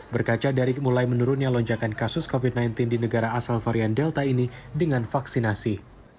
berkaca dari mulai menurunnya lonjakan kasus covid sembilan belas di negara asal varian delta ini dengan vaksinasi